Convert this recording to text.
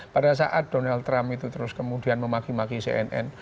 pada saat donald trump itu terus kemudian memaki maki cnn